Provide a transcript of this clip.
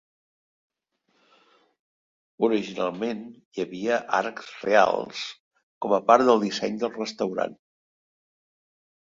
Originalment hi havia arcs reals com a part del disseny del restaurant.